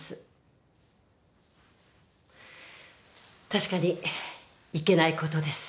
確かにいけないことです。